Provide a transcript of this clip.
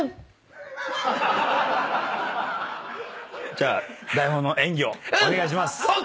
じゃあ台本の演技をお願いします。